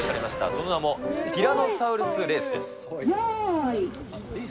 その名もティラノサウルスレースです。